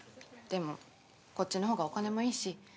でもこっちの方がお金もいいし